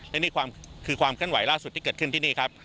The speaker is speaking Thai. และนี่คือความเคลื่อนไหวล่าสุดที่เกิดขึ้นที่นี่ครับ